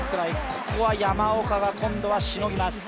ここは山岡が、今度はしのぎます。